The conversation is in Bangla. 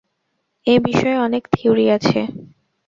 এ বিষয়ে অনেক থিওরি আছে।